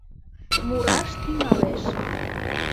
Мураш тӱҥалеш.